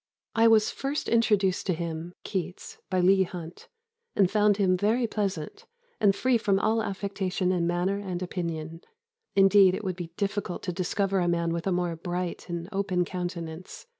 ] "I was first introduced to him (Keats), by Leigh Hunt, and found him very pleasant, and free from all affectation in manner and opinion. Indeed it would be difficult to discover a man with a more bright and open countenance....